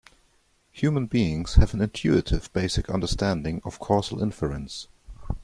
Human beings have an intuitive basic understanding of causal inference.